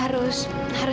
tuh salah satu